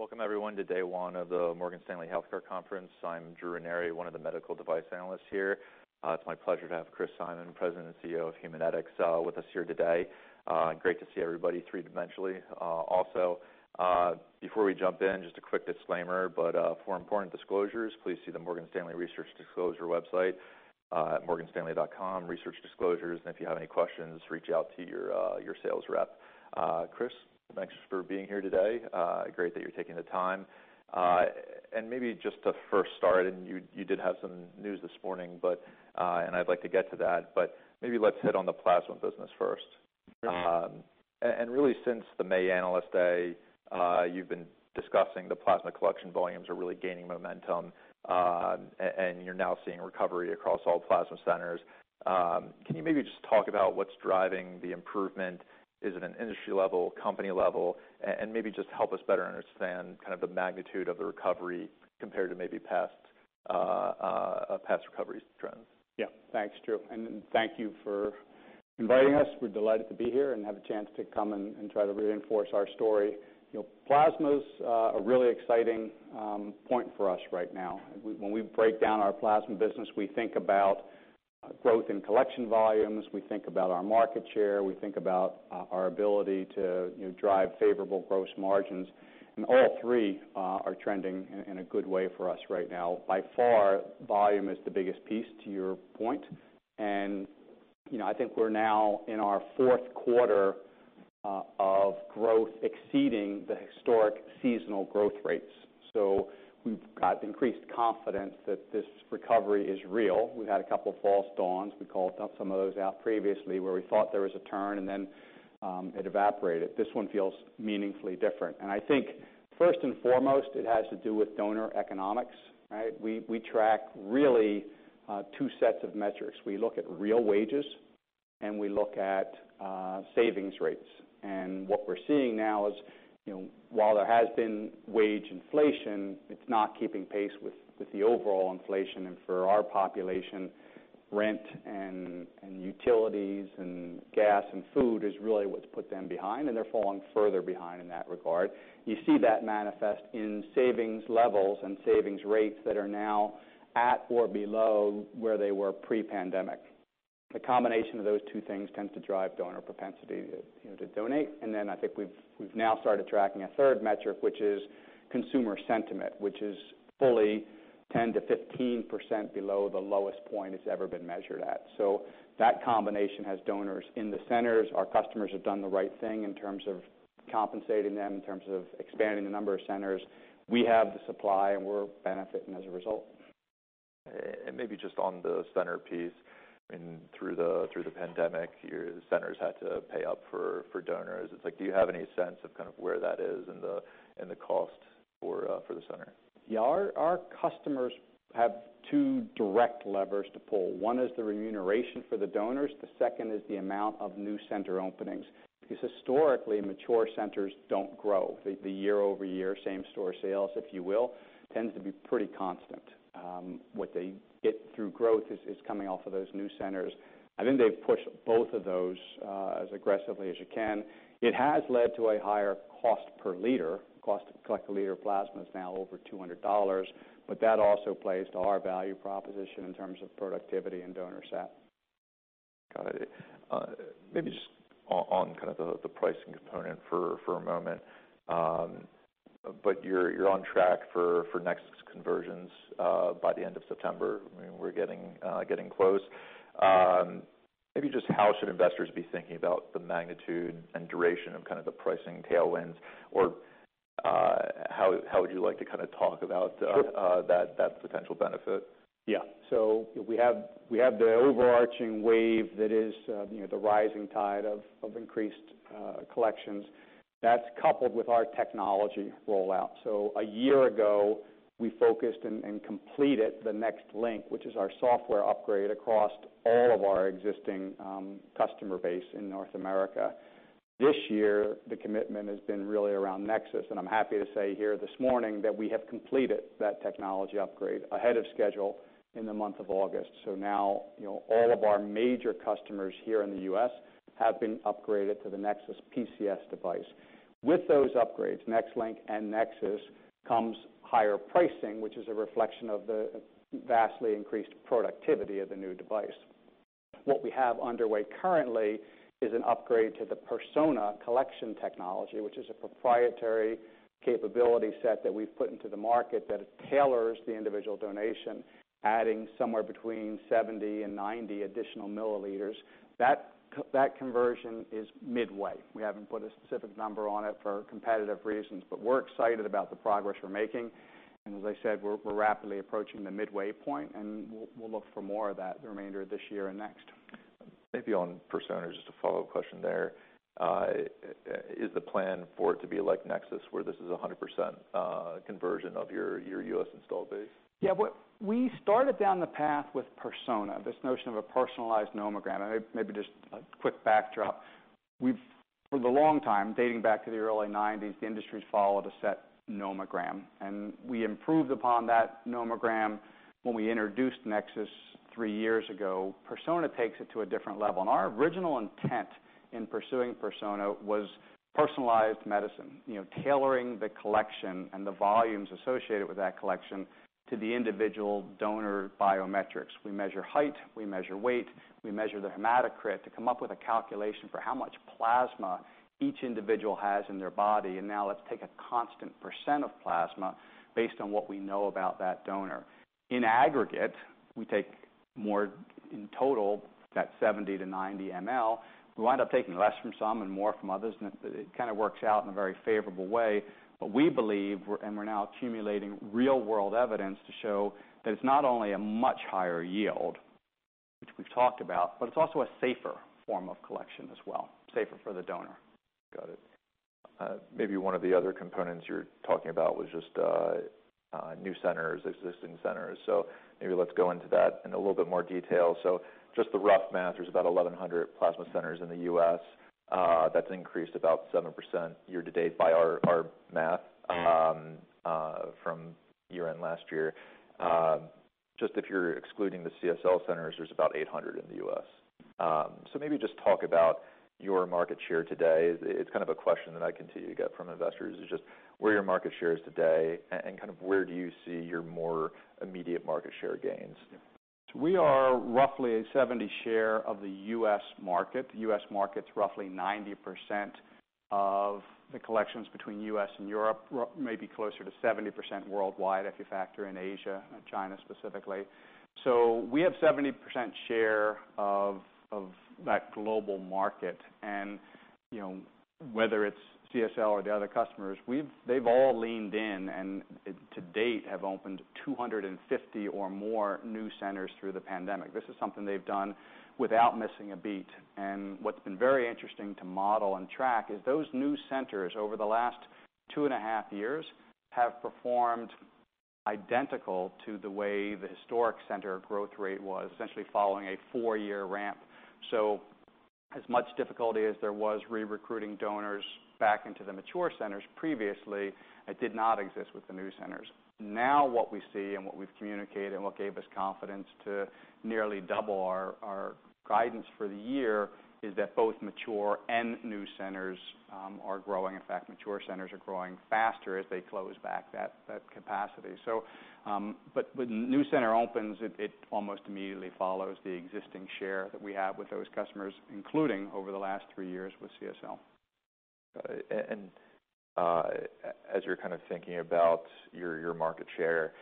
Welcome everyone to day one of the Morgan Stanley Healthcare Conference. I'm Drew Ranieri, one of the medical device analysts here. It's my pleasure to have Chris Simon, President and CEO of Haemonetics, with us here today. Great to see everybody three-dimensionally. Also, before we jump in, just a quick disclaimer, but for important disclosures, please see the Morgan Stanley Research Disclosure website at morganstanley.com, Research Disclosures. If you have any questions, reach out to your sales rep. Chris, thanks for being here today. Great that you're taking the time. Maybe just to first start, you did have some news this morning, but I'd like to get to that, but maybe let's hit on the plasma business first. Sure. Really since the May Analyst Day, you've been discussing the plasma collection volumes are really gaining momentum, and you're now seeing recovery across all plasma centers. Can you maybe just talk about what's driving the improvement? Is it an industry level, company level? Maybe just help us better understand kind of the magnitude of the recovery compared to maybe past recovery trends. Yeah. Thanks, Drew, and thank you for inviting us. We're delighted to be here and have a chance to come and try to reinforce our story. Plasma's a really exciting point for us right now. When we break down our plasma business, we think about growth in collection volumes, we think about our market share, we think about our ability to drive favorable gross margins, and all three are trending in a good way for us right now. By far, volume is the biggest piece to your point. I think we're now in our Q4 of growth exceeding the historic seasonal growth rates. We've got increased confidence that this recovery is real. We've had a couple of false dawns. We called some of those out previously, where we thought there was a turn, and then it evaporated. This one feels meaningfully different. I think first and foremost, it has to do with donor economics, right? We track really two sets of metrics. We look at real wages, and we look at savings rates. What we're seeing now is while there has been wage inflation, it's not keeping pace with the overall inflation. For our population, rent and utilities and gas and food is really what's put them behind, and they're falling further behind in that regard. You see that manifest in savings levels and savings rates that are now at or below where they were pre-pandemic. The combination of those two things tends to drive donor propensity to donate. I think we've now started tracking a third metric, which is consumer sentiment, which is fully 10%-15% below the lowest point it's ever been measured at. That combination has donors in the centers. Our customers have done the right thing in terms of compensating them, in terms of expanding the number of centers. We have the supply, and we're benefiting as a result. Maybe just on the center piece, I mean, through the pandemic, your centers had to pay up for donors. It's like, do you have any sense of kind of where that is in the cost for the center? Yeah. Our customers have two direct levers to pull. One is the remuneration for the donors, the second is the amount of new center openings. Because historically, mature centers don't grow. The year-over-year same store sales, if you will, tends to be pretty constant. What they get through growth is coming off of those new centers. I think they've pushed both of those as aggressively as you can. It has led to a higher cost per liter. Cost to collect a liter of plasma is now over $200, but that also plays to our value proposition in terms of productivity and donor sat. Got it. Maybe just on kind of the pricing component for a moment. You're on track for NexSys conversions by the end of September. I mean, we're getting close. Maybe just how should investors be thinking about the magnitude and duration of kind of the pricing tailwinds? Or, how would you like to kinda talk about Sure that potential benefit? Yeah. We have the overarching wave that is the rising tide of increased collections. That's coupled with our technology rollout. A year ago, we focused and completed the NexLynk, which is our software upgrade across all of our existing customer base in North America. This year, the commitment has been really around NexSys, and I'm happy to say here this morning that we have completed that technology upgrade ahead of schedule in the month of August. now all of our major customers here in the US have been upgraded to the NexSys PCS device. With those upgrades, NexLynk and NexSys, comes higher pricing, which is a reflection of the vastly increased productivity of the new device. What we have underway currently is an upgrade to the Persona collection technology, which is a proprietary capability set that we've put into the market that it tailors the individual donation, adding somewhere between 70 and 90 additional milliliters. That conversion is midway. We haven't put a specific number on it for competitive reasons, but we're excited about the progress we're making. As I said, we're rapidly approaching the midway point, and we'll look for more of that the remainder of this year and next. Maybe on Persona, just a follow-up question there. Is the plan for it to be like NexSys, where this is a 100% conversion of your U.S. installed base? Yeah. We started down the path with Persona, this notion of a personalized nomogram. Maybe just a quick backdrop. For a long time, dating back to the early 1990s, the industry's followed a set nomogram, and we improved upon that nomogram when we introduced NexSys three years ago. Persona takes it to a different level, and our original intent in pursuing Persona was personalized medicine. Tailoring the collection and the volumes associated with that collection to the individual donor biometrics. We measure height, we measure weight, we measure the hematocrit to come up with a calculation for how much plasma each individual has in their body, and now let's take a constant % of plasma based on what we know about that donor. In aggregate, we take more in total, that 70-90 mL. We wind up taking less from some and more from others, and it kind of works out in a very favorable way. But we believe, and we're now accumulating real-world evidence to show that it's not only a much higher yield, which we've talked about, but it's also a safer form of collection as well, safer for the donor. Got it. Maybe one of the other components you're talking about was just, new centers, existing centers. Maybe let's go into that in a little bit more detail. Just the rough math, there's about 1,100 plasma centers in the U.S. That's increased about 7% year to date by our math, from year-end last year. Just if you're excluding the CSL centers, there's about 800 in the U.S. Maybe just talk about your market share today. It's kind of a question that I continue to get from investors, is just where your market share is today and kind of where do you see your more immediate market share gains? We are roughly a 70% share of the U.S. market. The U.S. market's roughly 90% of the collections between U.S. and Europe, maybe closer to 70% worldwide if you factor in Asia and China specifically. We have 70% share of that global market and whether it's CSL or the other customers, they've all leaned in and to date have opened 250 or more new centers through the pandemic. This is something they've done without missing a beat. What's been very interesting to model and track is those new centers over the last 2.5 years have performed identical to the way the historic center growth rate was, essentially following a four-year ramp. As much difficulty as there was recruiting donors back into the mature centers previously, it did not exist with the new centers. Now, what we see and what we've communicated and what gave us confidence to nearly double our guidance for the year is that both mature and new centers are growing. In fact, mature centers are growing faster as they close back that capacity. When a new center opens, it almost immediately follows the existing share that we have with those customers, including over the last three years with CSL. As you're kind of thinking about your market share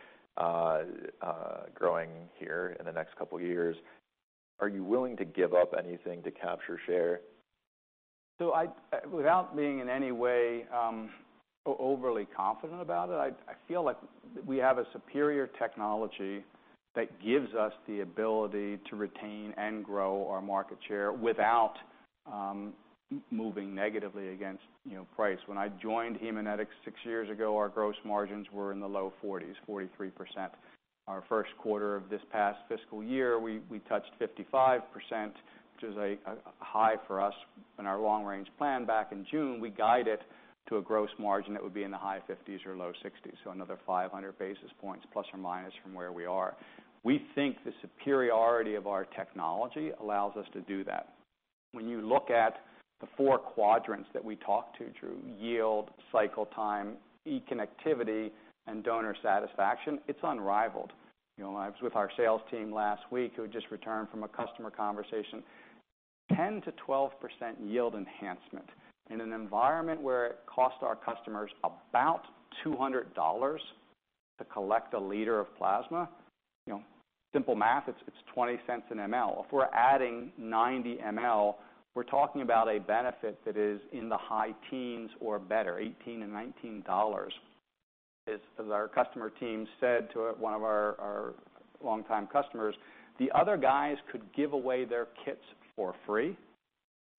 growing here in the next couple of years, are you willing to give up anything to capture share? Without being in any way overly confident about it, I feel like we have a superior technology that gives us the ability to retain and grow our market share without moving negatively against price. When I joined Haemonetics six years ago, our gross margins were in the low 40s, 43%. Our Q1 of this past fiscal year, we touched 55%, which is a high for us. In our long range plan back in June, we guided to a gross margin that would be in the high 50s or low 60s. Another 500 basis points plus or minus from where we are. We think the superiority of our technology allows us to do that. When you look at the four quadrants that we talk to, Drew, yield, cycle time, eConnectivity and donor satisfaction, it's unrivaled. I was with our sales team last week who had just returned from a customer conversation. 10%-12% yield enhancement in an environment where it costs our customers about $200 to collect a liter of plasma. Simple math, it's $0.20 an mL. If we're adding 90 mL, we're talking about a benefit that is in the high teens or better, $18-$19. As our customer team said to one of our longtime customers, "The other guys could give away their kits for free,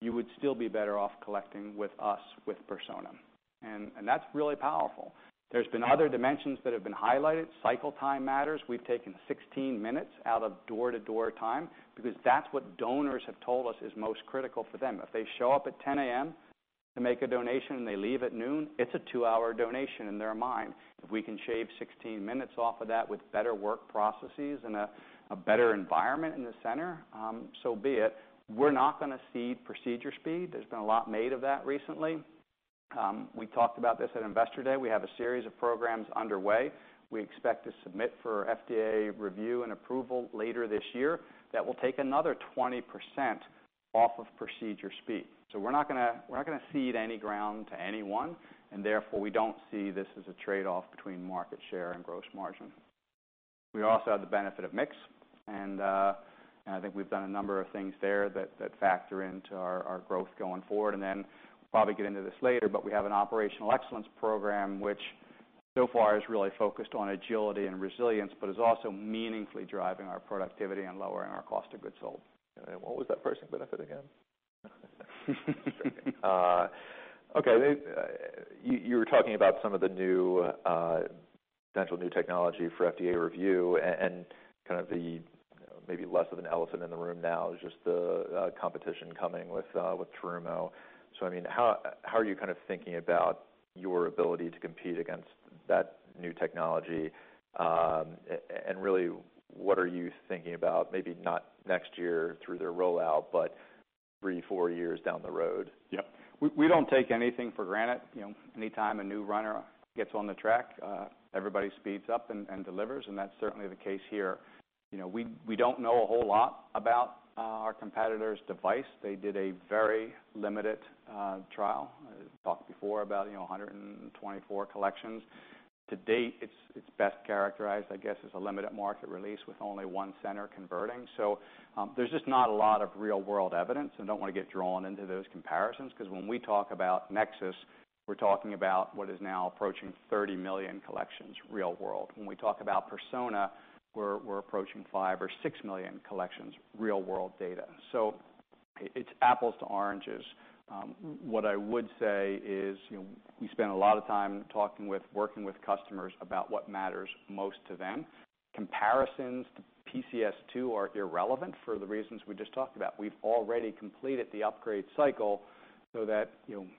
you would still be better off collecting with us, with Persona." That's really powerful. There have been other dimensions that have been highlighted. Cycle time matters. We've taken 16 minutes out of door-to-door time because that's what donors have told us is most critical for them. If they show up at 10 A.M. to make a donation, and they leave at noon, it's a 2-hour donation in their mind. If we can shave 16 minutes off of that with better work processes and a better environment in the center, so be it. We're not going to cede procedure speed. There's been a lot made of that recently. We talked about this at Investor Day. We have a series of programs underway. We expect to submit for FDA review and approval later this year. That will take another 20% off of procedure speed. We're not going to cede any ground to anyone, and therefore, we don't see this as a trade-off between market share and gross margin. We also have the benefit of mix, and I think we've done a number of things there that factor into our growth going forward. Then we'll probably get into this later, but we have an operational excellence program, which so far is really focused on agility and resilience, but is also meaningfully driving our productivity and lowering our cost of goods sold. What was that first thing benefit again? Okay. You were talking about some of the new potential new technology for FDA review and kind of the maybe less of an elephant in the room now is just the competition coming with Terumo. I mean, how are you kind of thinking about your ability to compete against that new technology? Really what are you thinking about maybe not next year through their rollout, but three, four years down the road? Yeah. We don't take anything for granted. Anytime a new runner gets on the track, everybody speeds up and delivers, and that's certainly the case here. We don't know a whole lot about our competitor's device. They did a very limited trial. Talked before about 124 collections. To date, it's best characterized, I guess, as a limited market release with only one center converting. There's just not a lot of real-world evidence, and don't want to get drawn into those comparisons because when we talk about NexSys, we're talking about what is now approaching 30 million collections real world. When we talk about Persona, we're approaching 5 or 6 million collections real world data. It's apples to oranges. What I would say is we spend a lot of time talking with, working with customers about what matters most to them. Comparisons to PCS2 are irrelevant for the reasons we just talked about. We've already completed the upgrade cycle so that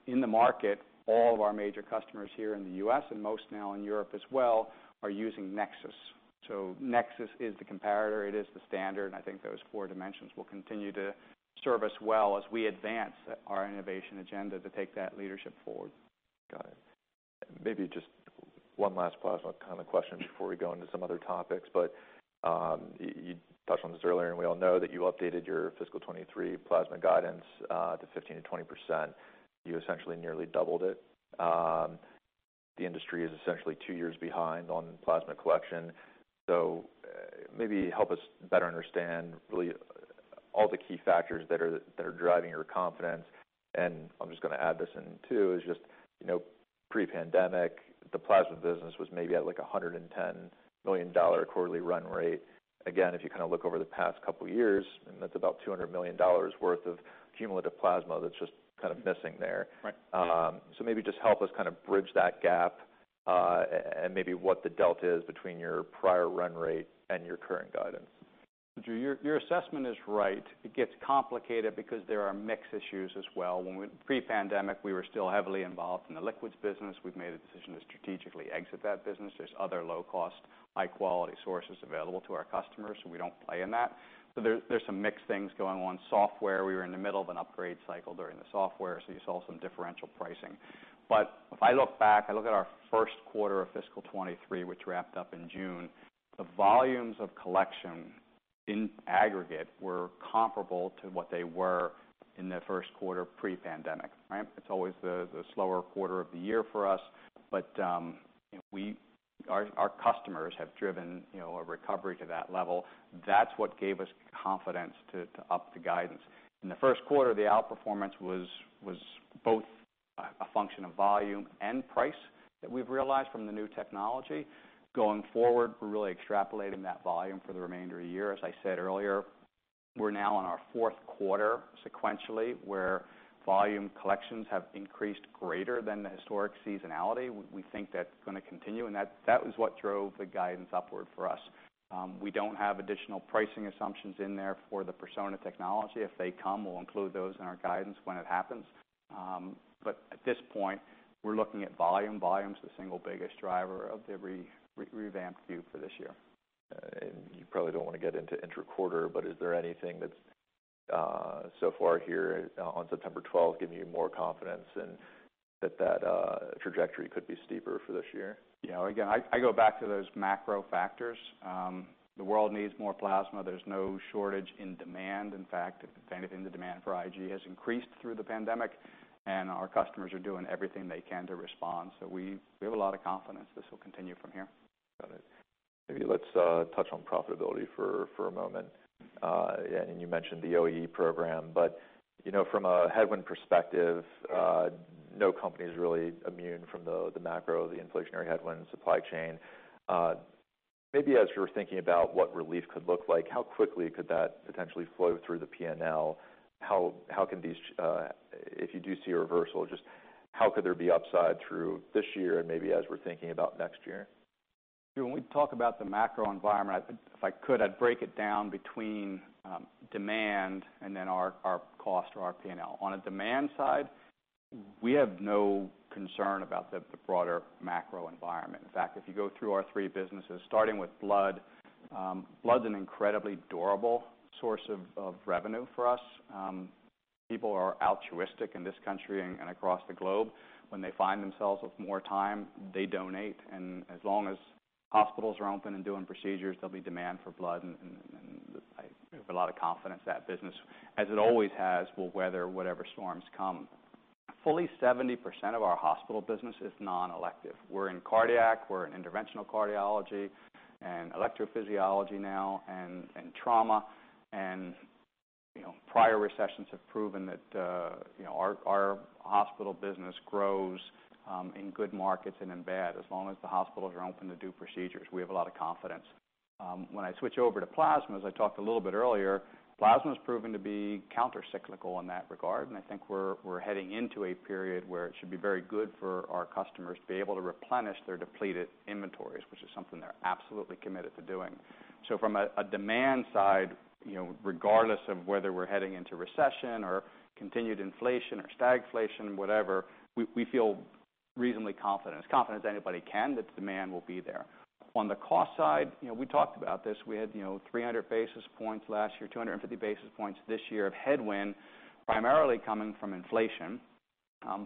in the market, all of our major customers here in the U.S. and most now in Europe as well are using NexSys. NexSys is the comparator, it is the standard, and I think those four dimensions will continue to serve us well as we advance our innovation agenda to take that leadership forward. Got it. Maybe just one last plasma kind of question before we go into some other topics. You touched on this earlier, and we all know that you updated your fiscal 2023 plasma guidance to 15%-20%. You essentially nearly doubled it. The industry is essentially two years behind on plasma collection. Maybe help us better understand really all the key factors that are driving your confidence. I'm just going to add this in too, is just pre-pandemic, the plasma business was maybe at like a $110 million quarterly run rate. Again, if you kind of look over the past couple years, and that's about $200 million worth of cumulative plasma that's just kind of missing there. Right. Maybe just help us kind of bridge that gap, and maybe what the delta is between your prior run rate and your current guidance? Drew, your assessment is right. It gets complicated because there are mix issues as well. Pre-pandemic, we were still heavily involved in the liquids business. We've made a decision to strategically exit that business. There's other low cost, high quality sources available to our customers, so we don't play in that. There's some mixed things going on. Software, we were in the middle of an upgrade cycle during the software, so you saw some differential pricing. If I look back, I look at our Q1 of fiscal 2023, which wrapped up in June, the volumes of collection in aggregate were comparable to what they were in the Q1 pre-pandemic, right? It's always the slower quarter of the year for us. Our customers have driven a recovery to that level. That's what gave us confidence to up the guidance. In the Q1, the outperformance was both a function of volume and price that we've realized from the new technology. Going forward, we're really extrapolating that volume for the remainder of the year. As I said earlier, we're now on our Q4 sequentially, where volume collections have increased greater than the historic seasonality. We think that's going to continue, and that was what drove the guidance upward for us. We don't have additional pricing assumptions in there for the Persona technology. If they come, we'll include those in our guidance when it happens. At this point, we're looking at volume. Volume's the single biggest driver of the revamped view for this year. You probably don't want to get into intra-quarter, but is there anything that's so far here on September twelve giving you more confidence in that trajectory could be steeper for this year? Again, I go back to those macro factors. The world needs more plasma. There's no shortage in demand. In fact, if anything, the demand for IG has increased through the pandemic, and our customers are doing everything they can to respond. We have a lot of confidence this will continue from here. Got it. Maybe let's touch on profitability for a moment. You mentioned the OE program, but from a headwind perspective, no company is really immune from the macro, the inflationary headwind, supply chain. Maybe as you're thinking about what relief could look like, how quickly could that potentially flow through the P&L? How can these, if you do see a reversal, just how could there be upside through this year and maybe as we're thinking about next year? When we talk about the macro environment, if I could, I'd break it down between demand and then our cost or our P&L. On a demand side, we have no concern about the broader macro environment. In fact, if you go through our three businesses, starting with blood's an incredibly durable source of revenue for us. People are altruistic in this country and across the globe. When they find themselves with more time, they donate. As long as hospitals are open and doing procedures, there'll be demand for blood. I have a lot of confidence that business, as it always has, will weather whatever storms come. Fully 70% of our hospital business is non-elective. We're in cardiac, we're in interventional cardiology and electrophysiology now and trauma. Prior recessions have proven that our hospital business grows in good markets and in bad. As long as the hospitals are open to do procedures, we have a lot of confidence. When I switch over to plasma, as I talked a little bit earlier, plasma's proven to be countercyclical in that regard, and I think we're heading into a period where it should be very good for our customers to be able to replenish their depleted inventories, which is something they're absolutely committed to doing. From a demand side regardless of whether we're heading into recession or continued inflation or stagflation, whatever, we feel reasonably confident, as confident as anybody can, that demand will be there. On the cost side we talked about this. We had 300 basis points last year, 250 basis points this year of headwind primarily coming from inflation.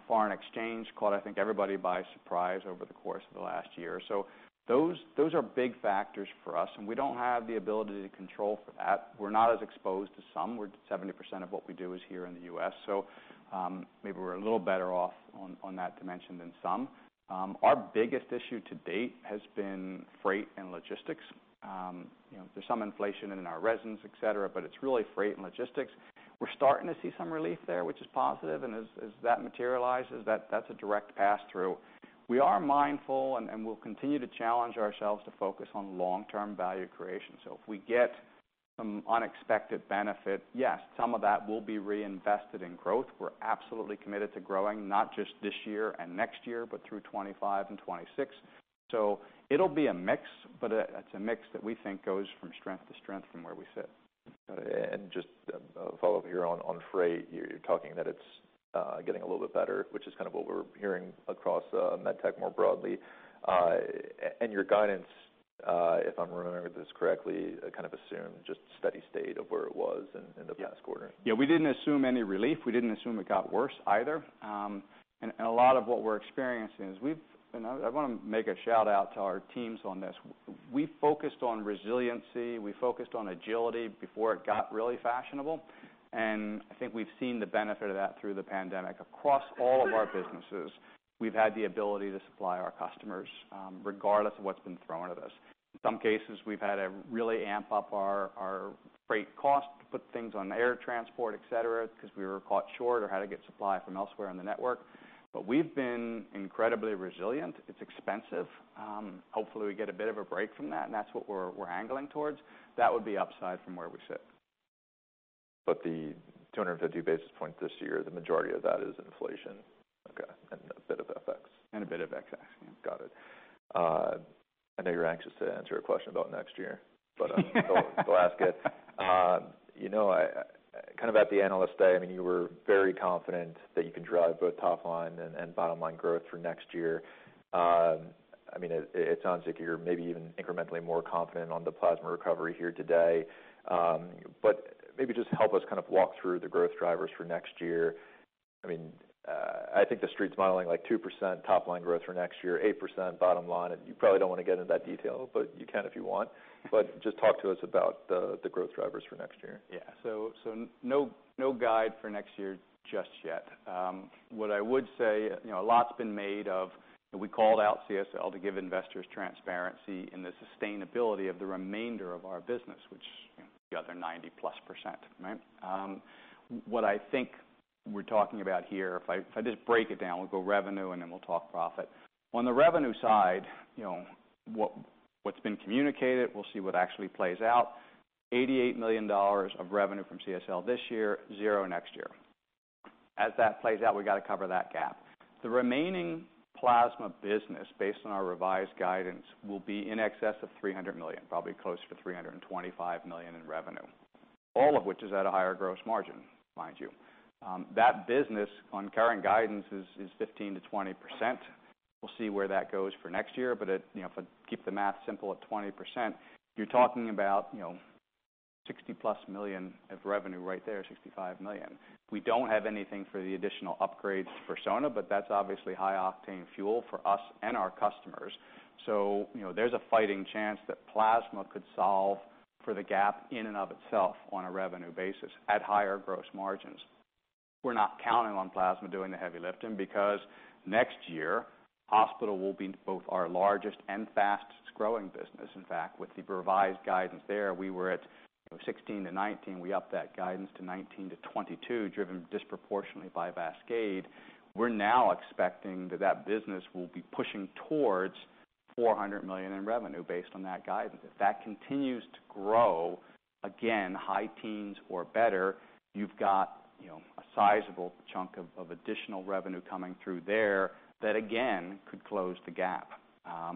Foreign exchange caught, I think, everybody by surprise over the course of the last year. Those are big factors for us, and we don't have the ability to control for that. We're not as exposed to some, where 70% of what we do is here in the U.S. Maybe we're a little better off on that dimension than some. Our biggest issue to date has been freight and logistics. There's some inflation in our resins, et cetera, but it's really freight and logistics. We're starting to see some relief there, which is positive, and as that materializes, that's a direct pass-through. We are mindful and we'll continue to challenge ourselves to focus on long-term value creation. If we get some unexpected benefit, yes, some of that will be reinvested in growth. We're absolutely committed to growing, not just this year and next year, but through 2025 and 2026. It'll be a mix, but it's a mix that we think goes from strength to strength from where we sit. Got it. Just a follow-up here on freight. You're talking that it's getting a little bit better, which is kind of what we're hearing across med tech more broadly. Your guidance, if I'm remembering this correctly, kind of assumed just steady state of where it was in the past quarter. Yeah. We didn't assume any relief. We didn't assume it got worse either. And a lot of what we're experiencing is. I want to make a shout-out to our teams on this. We focused on resiliency, we focused on agility before it got really fashionable, and I think we've seen the benefit of that through the pandemic. Across all of our businesses, we've had the ability to supply our customers, regardless of what's been thrown at us. In some cases, we've had to really amp up our freight cost to put things on air transport, et cetera, because we were caught short or had to get supply from elsewhere in the network. We've been incredibly resilient. It's expensive. Hopefully, we get a bit of a break from that, and that's what we're angling towards. That would be upside from where we sit. The 250 basis points this year, the majority of that is inflation? Okay. A bit of FX. A bit of FX, yeah. Got it. I know you're anxious to answer a question about next year, but I'll ask it. Kind of at the Analyst Day, I mean, you were very confident that you can drive both top line and bottom line growth for next year. I mean, it sounds like you're maybe even incrementally more confident on the plasma recovery here today. But maybe just help us kind of walk through the growth drivers for next year. I mean, I think the Street's modeling, like, 2% top line growth for next year, 8% bottom line, and you probably don't want to get into that detail, but you can if you want. But just talk to us about the growth drivers for next year. Yeah. No guide for next year just yet. What I would say a lot's been made of. We called out CSL to give investors transparency in the sustainability of the remainder of our business, which the other 90-plus percent, right? What I think we're talking about here, if I just break it down, we'll go revenue, and then we'll talk profit. On the revenue side what's been communicated, we'll see what actually plays out, $88 million of revenue from CSL this year, $0 next year. As that plays out, we gotta cover that gap. The remaining plasma business, based on our revised guidance, will be in excess of $300 million, probably closer to $325 million in revenue, all of which is at a higher gross margin, mind you. That business on current guidance is 15%-20%. We'll see where that goes for next year, but it if I keep the math simple at 20%, you're talking about $60+ million of revenue right there, $65 million. We don't have anything for the additional upgrades for Persona, but that's obviously high-octane fuel for us and our customers. so there's a fighting chance that plasma could solve for the gap in and of itself on a revenue basis at higher gross margins. We're not counting on plasma doing the heavy lifting because next year, hospital will be both our largest and fastest-growing business. In fact, with the revised guidance there, we were at 16-19. We upped that guidance to 19-22, driven disproportionately by VASCADE. We're now expecting that business will be pushing towards $400 million in revenue based on that guidance. If that continues to grow, again, high teens% or better, you've got a sizable chunk of additional revenue coming through there that, again, could close the gap. i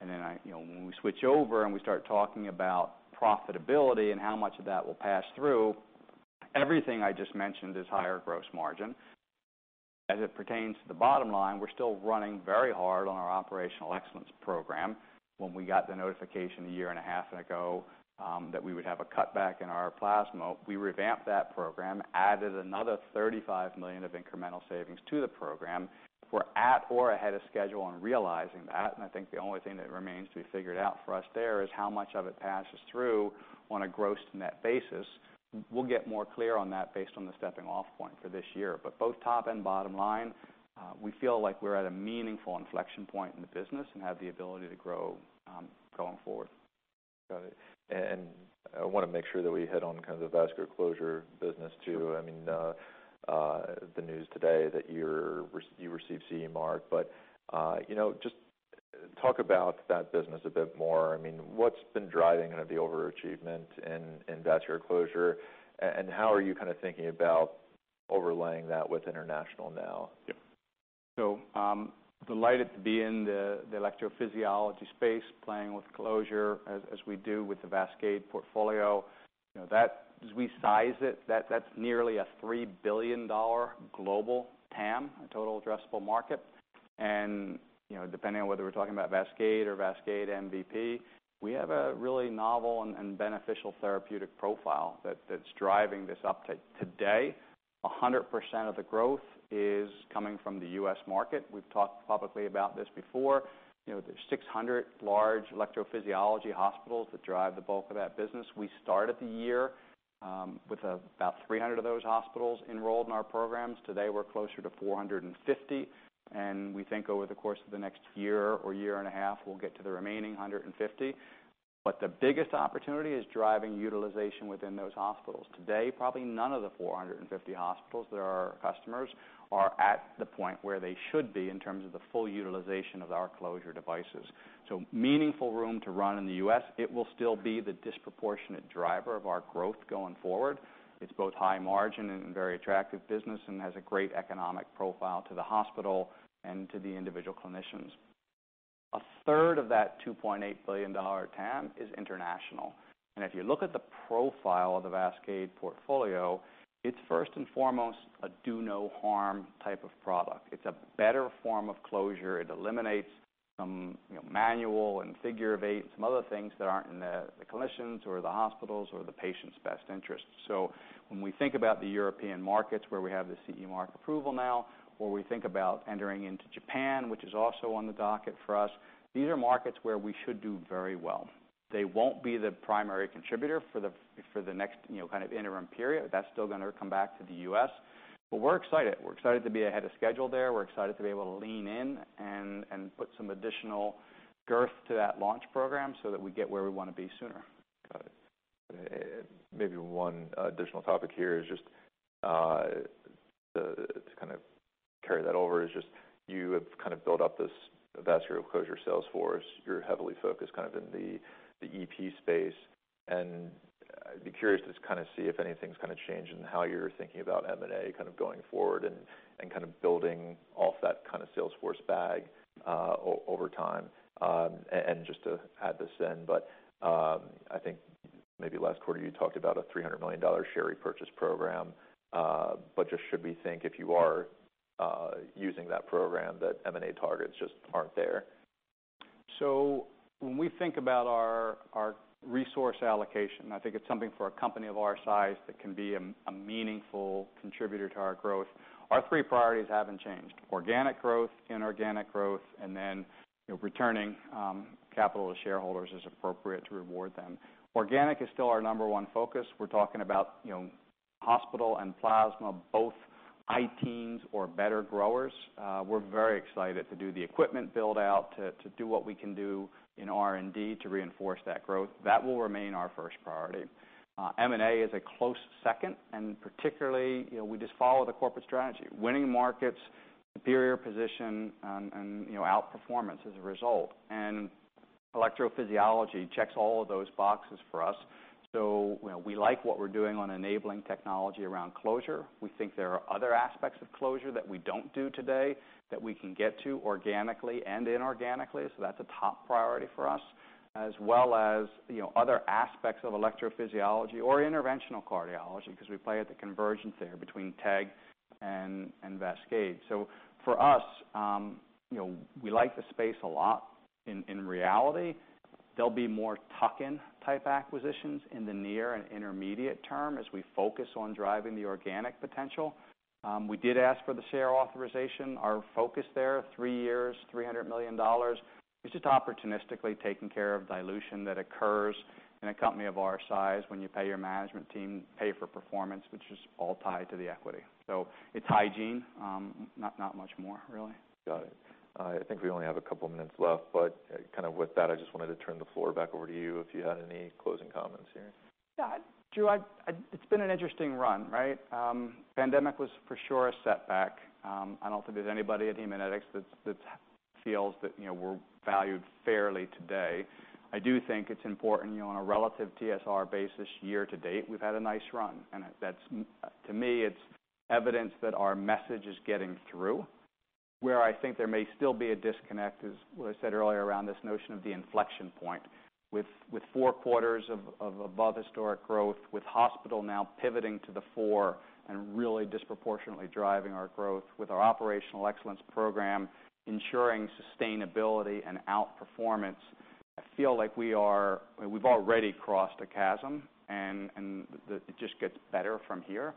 when we switch over and we start talking about profitability and how much of that will pass through, everything I just mentioned is higher gross margin. As it pertains to the bottom line, we're still running very hard on our operational excellence program. When we got the notification a year and a half ago, that we would have a cutback in our plasma, we revamped that program, added another $35 million of incremental savings to the program. We're at or ahead of schedule on realizing that, and I think the only thing that remains to be figured out for us there is how much of it passes through on a gross to net basis. We'll get more clear on that based on the stepping-off point for this year. Both top and bottom line, we feel like we're at a meaningful inflection point in the business and have the ability to grow, going forward. Got it. I want to make sure that we hit on kind of the vascular closure business too. Sure. The news today that you received CE Mark.just talk about that business a bit more. I mean, what's been driving kinda the overachievement in vascular closure? How are you kinda thinking about overlaying that with international now? Yes. Delighted to be in the electrophysiology space, playing with closure as we do with the VASCADE portfolio. As we size it, that's nearly a $3 billion global TAM, a total addressable market. Depending on whether we're talking about VASCADE or VASCADE MVP, we have a really novel and beneficial therapeutic profile that's driving this uptake. Today, 100% of the growth is coming from the U.S. market. We've talked publicly about this before. There's 600 large electrophysiology hospitals that drive the bulk of that business. We started the year with about 300 of those hospitals enrolled in our programs. Today, we're closer to 450, and we think over the course of the next year or year and a half we'll get to the remaining 150. The biggest opportunity is driving utilization within those hospitals. Today, probably none of the 450 hospitals that are our customers are at the point where they should be in terms of the full utilization of our closure devices. Meaningful room to run in the U.S. It will still be the disproportionate driver of our growth going forward. It's both high margin and a very attractive business and has a great economic profile to the hospital and to the individual clinicians. A third of that $2.8 billion TAM is international. If you look at the profile of the VASCADE portfolio, it's first and foremost a do no harm type of product. It's a better form of closure. It eliminates some manual and figure of eight and some other things that aren't in the clinicians' or the hospitals' or the patients' best interests. When we think about the European markets where we have the CE Mark approval now, or we think about entering into Japan, which is also on the docket for us, these are markets where we should do very well. They won't be the primary contributor for the next kind of interim period. That's still going to come back to the U.S. We're excited. We're excited to be ahead of schedule there. We're excited to be able to lean in and put some additional girth to that launch program so that we get where we want to be sooner. Got it. Maybe one additional topic here is just to kind of carry that over is just you have kind of built up this vascular closure sales force. You're heavily focused kind of in the EP space. I'd be curious to just kinda see if anything's kinda changed in how you're thinking about M&A kind of going forward and kind of building off that kinda sales force bag over time. Just to add this in, but I think maybe last quarter you talked about a $300 million share repurchase program, but just should we think if you are using that program that M&A targets just aren't there? When we think about our resource allocation, I think it's something for a company of our size that can be a meaningful contributor to our growth. Our three priorities haven't changed. Organic growth, inorganic growth, and then returning capital to shareholders as appropriate to reward them. Organic is still our number one focus. We're talking about hospital and plasma, both high teens or better growers. We're very excited to do the equipment build-out, to do what we can do in R&D to reinforce that growth. That will remain our first priority. M&A is a close second, and particularly we just follow the corporate strategy. Winning markets, superior position, and outperformance as a result. Electrophysiology checks all of those boxes for us. We like what we're doing on enabling technology around closure. We think there are other aspects of closure that we don't do today that we can get to organically and inorganically, so that's a top priority for us. As well as other aspects of electrophysiology or interventional cardiology, 'cause we play at the convergence there between TEG and VASCADE. For us we like the space a lot. In reality, there'll be more tuck-in type acquisitions in the near and intermediate term as we focus on driving the organic potential. We did ask for the share authorization. Our focus there, 3 years, $300 million, is just opportunistically taking care of dilution that occurs in a company of our size when you pay your management team, pay for performance, which is all tied to the equity. It's hygiene, not much more really. Got it. I think we only have a couple minutes left, but kind of with that, I just wanted to turn the floor back over to you if you had any closing comments here. Yeah. Drew, it's been an interesting run, right? Pandemic was for sure a setback. I don't think there's anybody at Haemonetics that feels that we're valued fairly today. I do think it's important on a relative TSR basis year to date, we've had a nice run, and that's, to me, it's evidence that our message is getting through. Where I think there may still be a disconnect is what I said earlier around this notion of the inflection point. With four quarters of above historic growth, with hospital now pivoting to the fore and really disproportionately driving our growth, with our operational excellence program ensuring sustainability and outperformance, I feel like we've already crossed a chasm and it just gets better from here.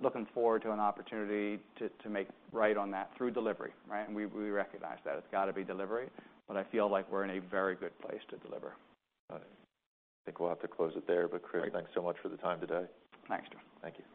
Looking forward to an opportunity to make right on that through delivery, right? We recognize that. It's gotta be delivery, but I feel like we're in a very good place to deliver. Got it. I think we'll have to close it there. Chris. Great. Thanks so much for the time today. Thanks, Drew. Thank you.